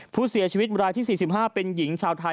ผู้เสียชีวิตรายที่๔๕เป็นหญิงชาวไทย